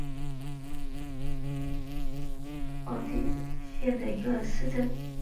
施内贝格山麓普赫贝格是奥地利下奥地利州诺因基兴县的一个市镇。